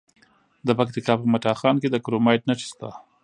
د پکتیکا په متا خان کې د کرومایټ نښې شته.